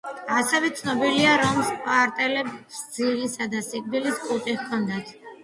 ასევე ცნობილია, რომ სპარტელებს ძილისა და სიკვდილის კულტი ჰქონდათ.